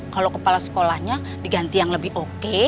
kalau kepala sekolahnya diganti yang lebih oke